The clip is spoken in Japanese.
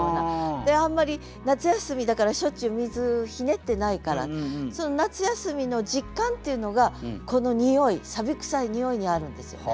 あんまり夏休みだからしょっちゅう水ひねってないから夏休みの実感っていうのがこのにおいくさいにおいにあるんですよね。